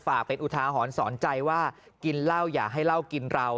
เป็นอุทาหรณ์สอนใจว่ากินเหล้าอย่าให้เหล้ากินเรา